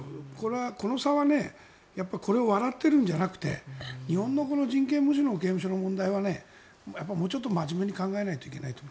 この差はこれを笑ってるんじゃなくて日本の人権無視の刑務所の問題はもうちょっと真面目に考えないといけないと思う。